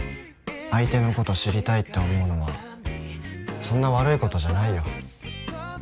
相手のこと知りたいって思うのはそんな悪いことじゃないよ。